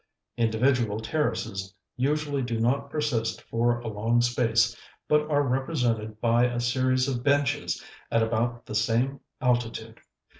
Individual terraces usually do not persist for a long space but are represented by a series of benches at about the same altitude.